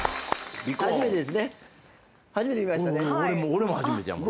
俺も初めてやもん。